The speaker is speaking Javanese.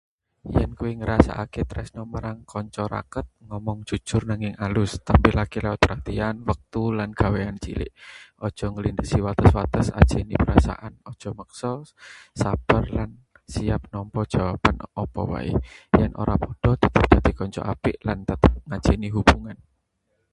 Yen kowe ngrasakake tresna marang kanca raket, ngomong jujur nanging alus. Tampilake lewat perhatian, wektu, lan gawean cilik. Aja nglindhesi wates-wates, ajeni perasaane; aja maksa. Sabar lan siap nampa jawaban apa wae. Yen ora padha, tetep dadi kanca apik lan tetep ngajeni hubungane.